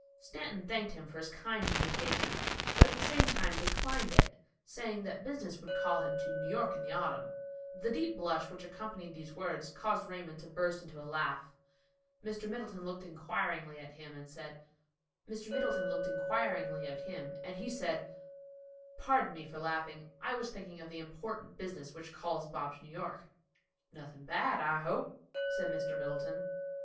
Stanton thanked him for his kind invitation, but at the same time declined it, saying that business would call him to New York in the autumn. The deep blush which accompanied these words caused Raymond to burst into a laugh. Mr. Middleton looked inquiringly at him and he said, "Pardon me for laughing; I was thinking of the important business which calls Bob to New York." "Nothing bad, I hope," said Mr. Middleton.